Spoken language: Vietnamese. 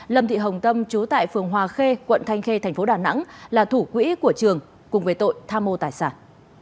lâm thị hồng tâm chú tại phường hòa khê quận thanh khê tp đà nẵng là thủ quỹ của trường cùng với tội tham mô tài sản